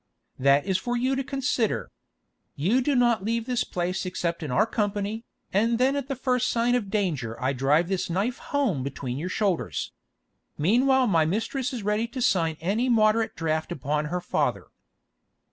"That is for you to consider. You do not leave this place except in our company, and then at the first sign of danger I drive this knife home between your shoulders. Meanwhile my mistress is ready to sign any moderate draft upon her father."